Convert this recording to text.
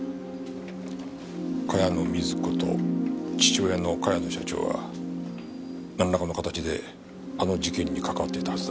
茅野瑞子と父親の茅野社長はなんらかの形であの事件に関わってたはずだ。